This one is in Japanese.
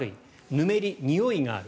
ぬめり、においがある。